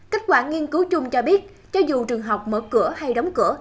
kết quả nghiên cứu chung cho biết cho dù trường học mở cửa hay đóng cửa